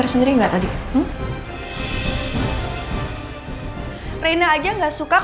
reina baik baik aja kan